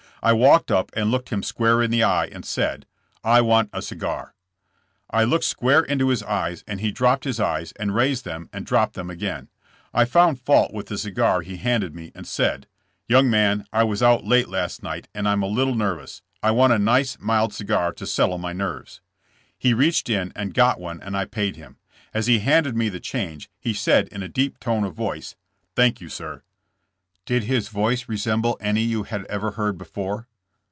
I walked up and looked him square in the eye and said: "1 want a cigar." "I looked square into his eyes and he dropped his eyes and raised them and dropped them again. I found fault with the cigar he handed me and said: Young man, I was out late last night and I'm a little nervous. I want a nice, mild cigar to settle my nerves. "He reached in and got one and I paid him. As he handed me the change he said in a deep tone of voice :Thank you, sir.' " "Did his voice resemble any you had ever heard before?"